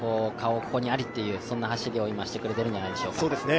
ここにありという走りを今、してくれているんじゃないでしょうか。